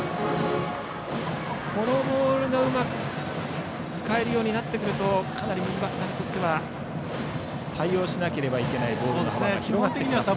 このボールがうまく使えるようになってくるとかなり右バッターにとっては対応しなければいけないボールの幅が広がります。